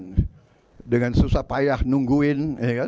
dan dengan susah payah nungguin